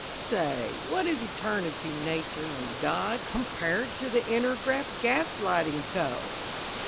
Say, what is Eternity, Nature, and God Compared to the Inter Graft Gaslighting Co.?